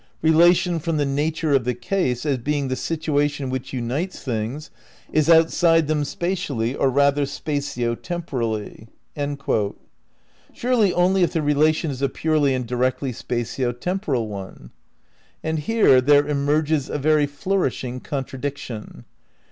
relation from the nature of the case, as being the situation ■which unites things, is outside them spatially (or rather spatio tem porally)."' Surely only if the relation is a purely and directly spatio temporal one? And here there emerges a very flourishing contra diction.